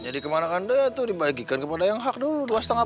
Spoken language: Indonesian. jadi kemarah kan dia tuh dibagikan kepada yang hak dulu